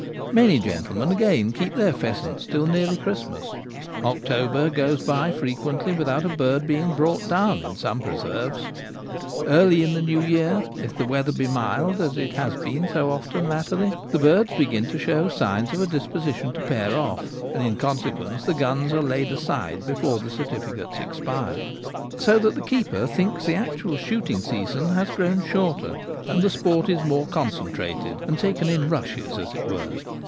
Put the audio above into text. Many gentlemen again keep their pheasants till nearly Christmas : October goes by frequently with out a bird being brought down in some preserves. 48 The Gamekeeper at Home. Early in the new year, if the weather be mild, as it has been so often latterly, the birds begin to show signs of a disposition to pair off, and in consequence the guns are laid aside before the certificates expire. So that the keeper thinks the actual shooting season has grown shorter and the sport is more concen trated, and taken in rushes, as it were.